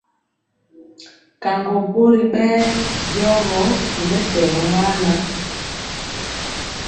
Kaŋgo bori bɛ diɔgɔ ri mɛtɛgɔ maa nan.